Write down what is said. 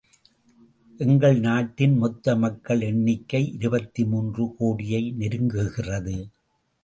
எங்கள் நாட்டின் மொத்த மக்கள் எண்ணிக்கை இருபத்து மூன்று கோடியை நெருங்குகிறது.